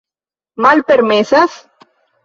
Malpermesas?